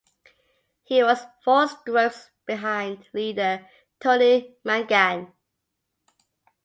He was four strokes behind leader Tony Mangan.